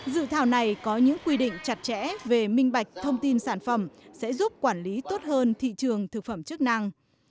dự thảo này có những quy định chặt chẽ về minh bạch thông tin sản phẩm sẽ giúp quản lý tốt hơn thị trường thực phẩm chức năng